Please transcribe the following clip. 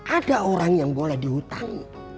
ada orang yang boleh dihutangi